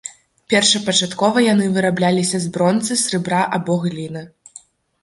Першапачаткова яны вырабляліся з бронзы, срэбра або гліны.